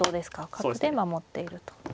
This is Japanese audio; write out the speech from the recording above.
角で守っていると。